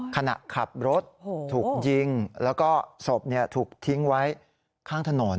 ขณะขับรถถูกยิงแล้วก็ศพถูกทิ้งไว้ข้างถนน